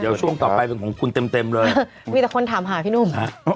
เดี๋ยวช่วงต่อไปเป็นของคุณเต็มเต็มเลยมีแต่คนถามหาพี่หนุ่ม